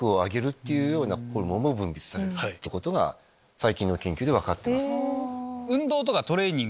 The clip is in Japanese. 最近の研究で分かってます。